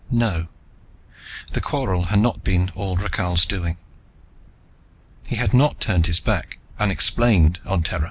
No, the quarrel had not been all Rakhal's doing. He had not turned his back, unexplained on Terra.